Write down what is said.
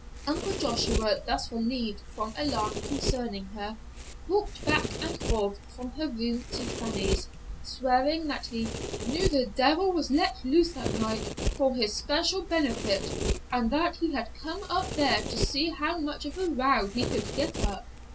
Uncle Joshua thus relieved from alarm concerning her, walked back and forth from her room to Fanny's swearing that he "knew the devil was let loose that night for his special benefit, and that he had come up there to see how much of a row he could get up!"